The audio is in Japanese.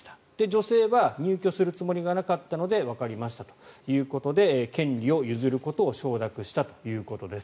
女性は入居するつもりがなかったのでわかりましたということで権利を譲ることを承諾したということです。